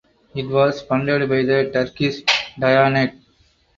It was funded by the Turkish Diyanet.